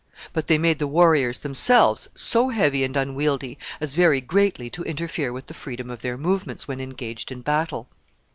But they made the warriors themselves so heavy and unwieldy as very greatly to interfere with the freedom of their movements when engaged in battle.